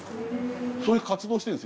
そういう活動をしてるんです